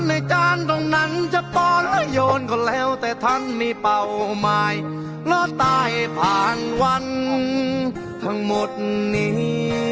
เท้าเจ็ดอีกสองหายใจยืดอีกสองแปดเก้าสิบแปดเอ็มสามสิบหกสิบห้า